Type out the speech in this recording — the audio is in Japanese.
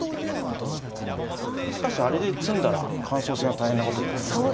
しかしあれで詰んだら感想戦が大変なことになってましたね。